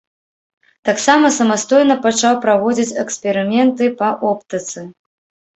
Таксама самастойна пачаў праводзіць эксперыменты па оптыцы.